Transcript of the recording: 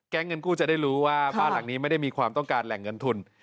เงินกู้จะได้รู้ว่าบ้านหลังนี้ไม่ได้มีความต้องการแหล่งเงินทุน